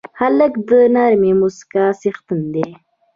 هلک د نرمې موسکا څښتن دی.